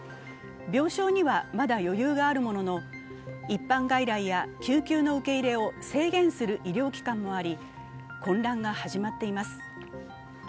病床にはまだ余裕があるものの一般外来や救急の受け入れを制限する医療機関もあり、混乱が始まっています。